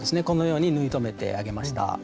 このように縫い留めてあげました。